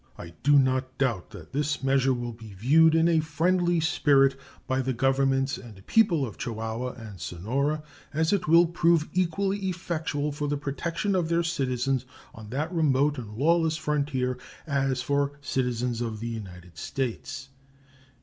I do not doubt that this measure will be viewed in a friendly spirit by the governments and people of Chihuahua and Sonora, as it will prove equally effectual for the protection of their citizens on that remote and lawless frontier as for citizens of the United States.